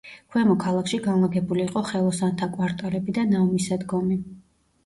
ქვემო ქალაქში განლაგებული იყო ხელოსანთა კვარტალები და ნავმისადგომი.